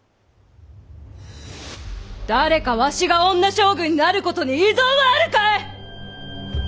誰かわしが女将軍になることに異存はあるかえ！